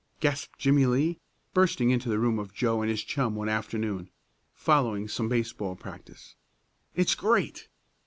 gasped Jimmie Lee, bursting into the room of Joe and his chum one afternoon, following some baseball practice. "It's great!"